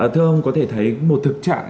thưa ông có thể thấy một thực trạng